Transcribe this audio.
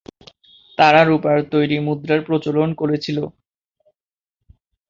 তারা রূপার তৈরি মুদ্রার প্রচলন করেছিল।